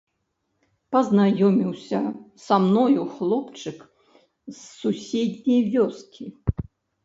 Пазнаёміўся са мною хлопчык з суседняй вёскі.